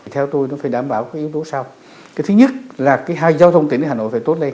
theo tôi nó phải đảm bảo cái yếu tố sau cái thứ nhất là cái hai giao thông tỉnh hà nội phải tốt lên